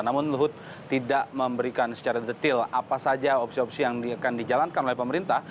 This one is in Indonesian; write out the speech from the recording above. namun luhut tidak memberikan secara detil apa saja opsi opsi yang akan dijalankan oleh pemerintah